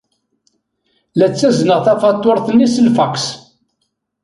La ttazneɣ tafatuṛt-nni s lfaks.